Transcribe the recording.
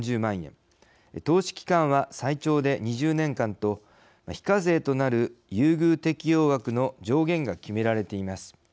投資期間は最長で２０年間と非課税となる優遇適用枠の上限が決められています。